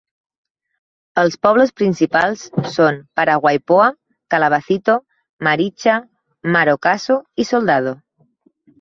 Els pobles principals són Paraguaipoa, Calabacito, Maricha, Marocaso i Soldado.